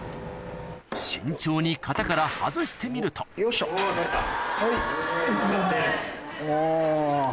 慎重に型から外してみるとよいしょはいおぉ。